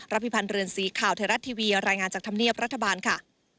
พิพันธ์เรือนสีข่าวไทยรัฐทีวีรายงานจากธรรมเนียบรัฐบาลค่ะ